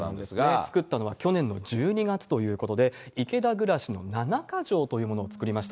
作ったのは去年の１２月ということで、池田暮らしの七か条というものを作りました。